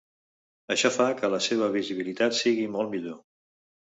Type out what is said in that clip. Això fa que la seva visibilitat sigui molt millor.